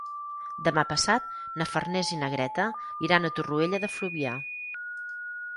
Demà passat na Farners i na Greta iran a Torroella de Fluvià.